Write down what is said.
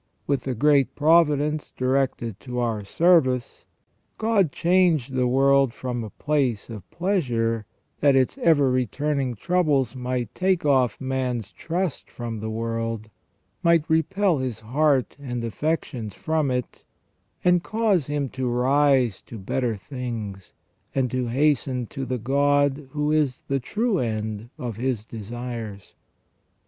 With a great providence directed to our service, God changed the world from a place of pleasure, that its ever returning troubles might take off" man's trust from the world, might repel his heart and affections from it, and cause him to rise to better things, and to hasten to the God who is the true end of his desires.